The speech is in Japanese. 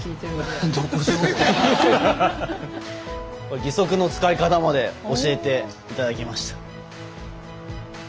義足の使い方まで教えていただきました。